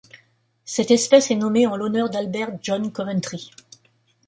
Cette espèce est nommée en l'honneur d'Albert John Coventry.